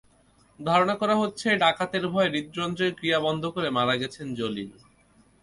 ধারণা করা হচ্ছে, ডাকাতের ভয়ে হৃদ্যন্ত্রের ক্রিয়া বন্ধ হয়ে মারা গেছেন জলিল।